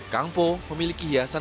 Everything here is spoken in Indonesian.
kangpo memiliki hiasan